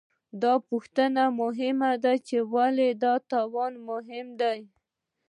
دا پوښتنه مهمه ده، چې ولې دا توان مهم دی؟